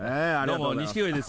錦鯉です。